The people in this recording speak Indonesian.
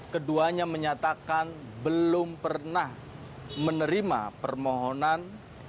keduanya menyatakan belum pernah menerima permohonan